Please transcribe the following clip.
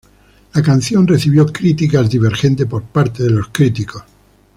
La canción recibió críticas divergentes por parte de los críticos.